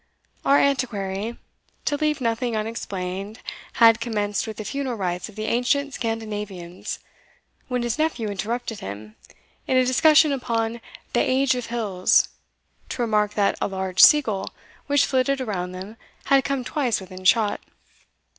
Our Antiquary, to leave nothing unexplained, had commenced with the funeral rites of the ancient Scandinavians, when his nephew interrupted him, in a discussion upon the "age of hills," to remark that a large sea gull, which flitted around them, had come twice within shot.